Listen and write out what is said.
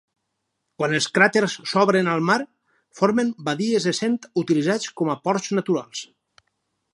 Quan els cràters s'obren al mar, formen badies essent utilitzats com a ports naturals.